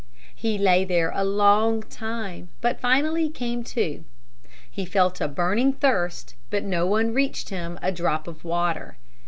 He lay there a long time, but finally came to. He felt a burning thirst, but no one reached him a drop of water.